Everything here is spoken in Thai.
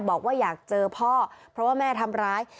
บอกว่าอยากเจอพ่อเพราะว่าแม่ทำร้าย